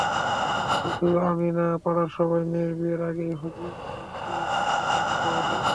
শুধু আমি না, পাড়ার সবাই মেয়ের বিয়ের আগে হজিতের সঙ্গে কথা বলে।